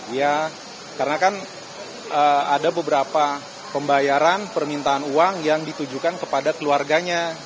ya karena kan ada beberapa pembayaran permintaan uang yang ditujukan kepada keluarganya